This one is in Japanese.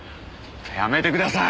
やめてください！